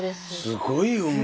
すごい運命。